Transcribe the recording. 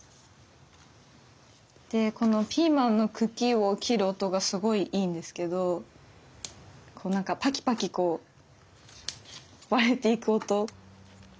でこのピーマンの茎を切る音がすごいいいんですけどこう何かパキパキこう割れていく音。